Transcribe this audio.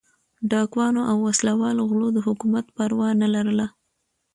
ډاکوانو او وسله والو غلو د حکومت پروا نه لرله.